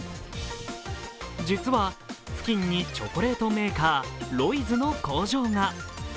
実は付近にチョコレートメーカー、ロイズの工場が。